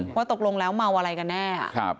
ว่าตกลงแล้วเมาอะไรกันแน่